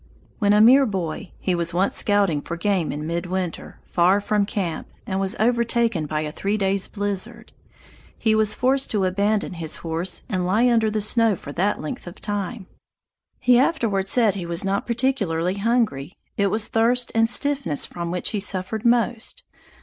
When a mere boy, he was once scouting for game in midwinter, far from camp, and was overtaken by a three days' blizzard. He was forced to abandon his horse and lie under the snow for that length of time. He afterward said he was not particularly hungry; it was thirst and stiffness from which he suffered most.